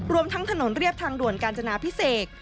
รวมทั้งถนนเรียบทางด่วนกาญจนาพิเศษ